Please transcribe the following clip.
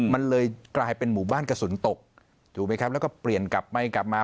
มันเลยกลายเป็นหมู่บ้านกระสุนตกถูกไหมครับแล้วก็เปลี่ยนกลับไปกลับมา